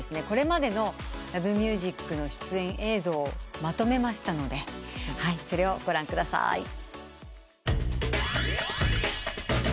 これまでの『Ｌｏｖｅｍｕｓｉｃ』の出演映像をまとめましたのでそれをご覧ください。